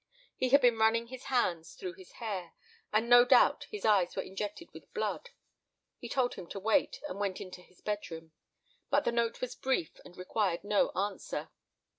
He had been running his hands through his hair and no doubt his eyes were injected with blood. He told him to wait, and went into his bedroom. But the note was brief and required no answer.